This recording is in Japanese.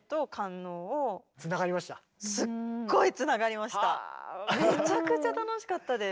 すごいめちゃくちゃ楽しかったです。